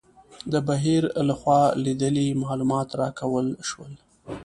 د بهیر لخوا لیدلي معلومات راکول شول.